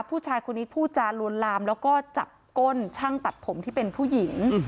ผู้ชายคนนี้พูดจาลวนลามแล้วก็จับก้นช่างตัดผมที่เป็นผู้หญิง